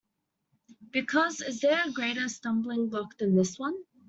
Because, is there a greater stumbling-block than this one?